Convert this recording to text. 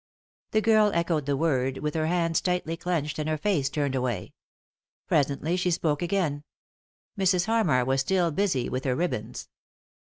The girl echoed the word with her hands tightly clenched and her face tamed away. Presently she spoke again; Mrs. Harraar was still busy with her ribbons.